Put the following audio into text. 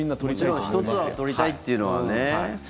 もちろん１つは取りたいっていうのはね。